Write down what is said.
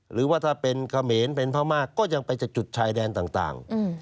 หรือว่าถ้าเป็นเขมรเป็นพม่าก็ยังไปจากจุดชายแดนต่าง